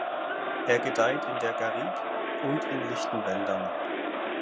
Er gedeiht in der Garigue und in lichten Wäldern.